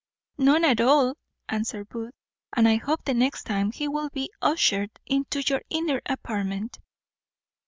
"None at all," answered Booth; "and I hope the next time he will be ushered into your inner apartment."